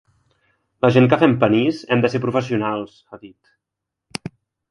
“La gent que fem panís hem de ser professionals”, ha dit.